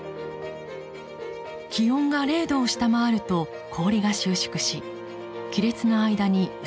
気温が零度を下回ると氷が収縮し亀裂の間に薄い氷が張ります。